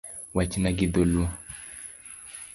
Wachna gi dholuo